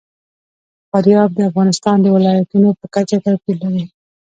فاریاب د افغانستان د ولایاتو په کچه توپیر لري.